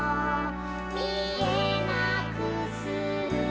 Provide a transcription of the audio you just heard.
「みえなくする」